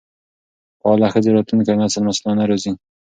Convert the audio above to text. فعاله ښځې راتلونکی نسل مسؤلانه روزي.